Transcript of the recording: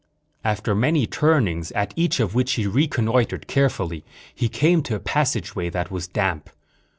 After many turnings, at each of which he reconnoitered carefully, he came to a passageway that was damp.